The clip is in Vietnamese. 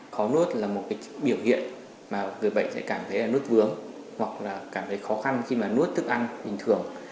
khó nuốt là một biểu hiện mà người bệnh sẽ cảm thấy nuốt vướng hoặc là cảm thấy khó khăn khi nuốt thức ăn bình thường